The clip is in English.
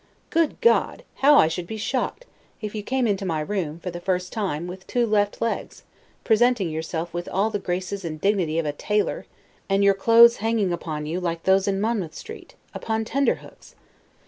Good God! how I should be shocked, if you came into my room, for the first time, with two left legs, presenting yourself with all the graces and dignity of a tailor, and your clothes hanging upon you, like those in Monmouth street, upon tenter hooks!